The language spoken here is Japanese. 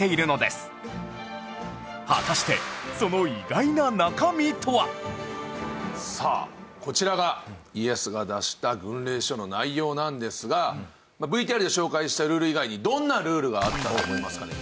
果たしてさあこちらが家康が出した軍令書の内容なんですが ＶＴＲ で紹介したルール以外にどんなルールがあったと思いますかね？